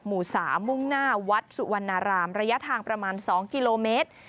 หมู่๓มุ่งหน้าวัดสุวรรณรามระยะทางประมาณ๒กิโลเมตร